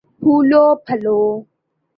پھولو پھلو